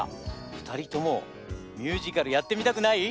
ふたりともミュージカルやってみたくない？